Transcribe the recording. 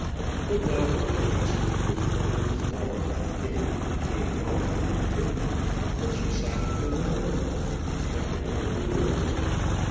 But now her face, which was always long and thin, became longer and thinner, and she sat with her mouth open, expecting further news.